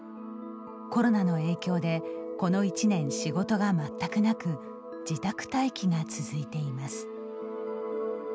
コロナの影響でこの１年、仕事が全くなく自宅待機が続いています。